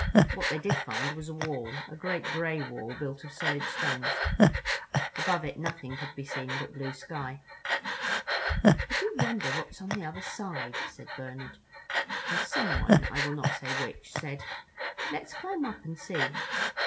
What they did find was a wall—a great gray wall built of solid stones—above it nothing could be seen but blue sky. "I do wonder what's on the other side," said Bernard; and someone, I will not say which, said: "Let's climb up and see."